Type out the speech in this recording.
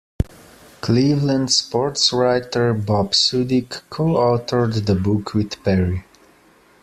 Cleveland sportswriter Bob Sudyk co-authored the book with Perry.